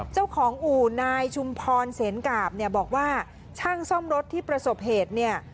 เจ้าของอู่นายชุมพรเสนกาบเนี่ยบอกว่าช่างซ่อมรถที่ประสบเหตุเนี่ย